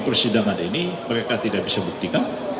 persidangan ini mereka tidak bisa buktikan